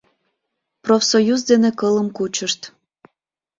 Профсоюз дене кылым кучышт.